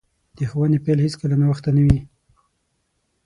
د ښوونې پیل هیڅکله ناوخته نه وي.